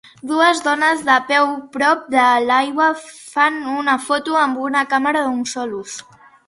Dues dones de peu prop de l'aigua fan una foto amb una càmera d'un sol ús.